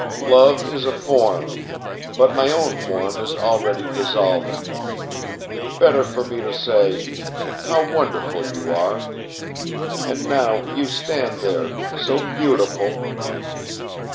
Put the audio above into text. Love is a form, but my own form is already dissolving. Better for me to say how wonderful you are! And now you stand there, so beautiful.